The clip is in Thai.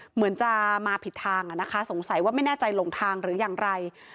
เหมือนจะมาผิดทางนะคะสงสัยว่าไม่แน่ใจหลงทางหรืออย่างไร